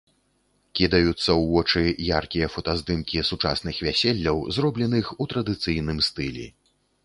Кідаюцца ў вочы яркія фотаздымкі сучасных вяселляў, зробленых у традыцыйным стылі.